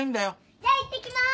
じゃいってきます。